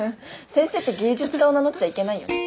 先生って芸術家を名乗っちゃいけないよね。